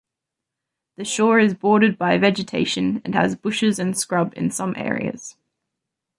The shore is bordered by vegetation and has bushes and scrub in some areas.